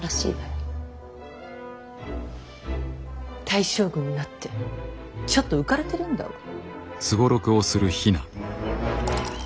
大将軍になってちょっと浮かれてるんだわ。